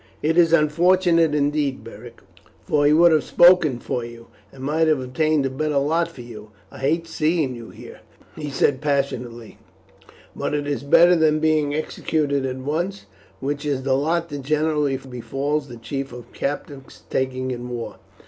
"It is unfortunate indeed, Beric, for he would have spoken for you, and might have obtained a better lot for you. I hate seeing you here," he said passionately, "but it is better than being executed at once, which is the lot that generally befalls the chief of captives taken in war.